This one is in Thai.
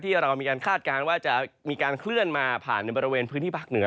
เรามีการคาดการณ์ว่าจะมีการเคลื่อนมาผ่านในบริเวณพื้นที่ภาคเหนือ